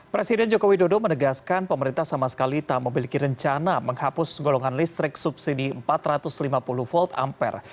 presiden joko widodo menegaskan pemerintah sama sekali tak memiliki rencana menghapus golongan listrik subsidi empat ratus lima puluh volt ampere